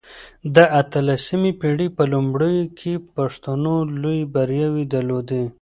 د اته لسمې پېړۍ په لومړيو کې پښتنو لويې برياوې درلودې.